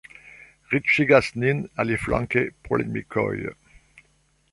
Riĉigas nin, aliflanke, polemikoj.